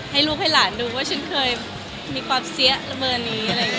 ให้ลูกเฮ้ยหลานดูที่มีความเสี้ยเบื้อนอยู่